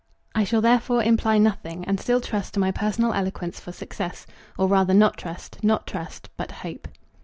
I shall therefore imply nothing, and still trust to my personal eloquence for success. Or rather not trust, not trust, but hope.